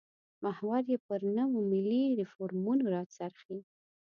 محور یې پر نویو ملي ریفورمونو راڅرخي.